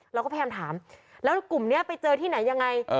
เราก็พยายามถามแล้วกลุ่มนี้ไปเจอที่ไหนยังไง